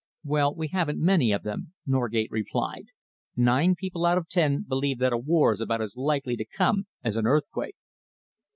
"Well, we haven't many of them," Norgate replied. "Nine people out of ten believe that a war is about as likely to come as an earthquake."